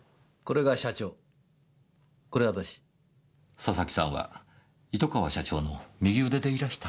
佐々木さんは糸川社長の右腕でいらした？